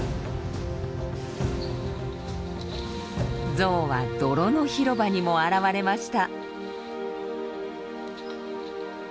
ゾウは泥の広場にも現れました。